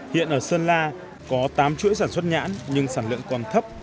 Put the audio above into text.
hiện ở sơn la có tám chuỗi sản xuất nhãn nhưng sản lượng còn thấp